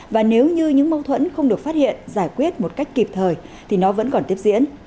và nếu như những mâu thuẫn không được phát hiện giải quyết một cách kịp thời thì nó vẫn còn tiếp diễn